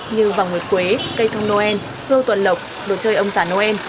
như vòng nguyệt quế cây thông noel rô tuần lọc đồ chơi ông giả noel